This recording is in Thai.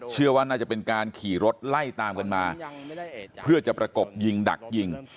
เชื่อว่าน่าจะเป็นการขี่รถไล่ตามกันมาเพื่อจะประกบยิงดักยิง